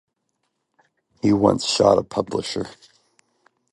He once shot a publisher.